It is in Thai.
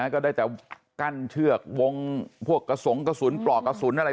ก็ได้แต่กั้นเชือกวงพวกกระสงกระสุนปลอกกระสุนอะไร